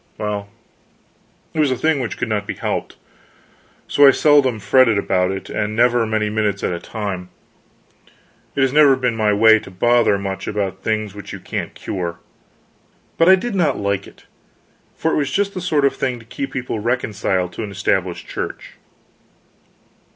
Well, it was a thing which could not be helped, so I seldom fretted about it, and never many minutes at a time; it has never been my way to bother much about things which you can't cure. But I did not like it, for it was just the sort of thing to keep people reconciled to an Established Church.